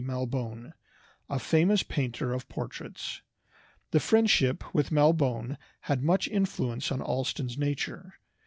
Malbone, a famous painter of portraits. The friendship with Malbone had much influence on Allston's nature.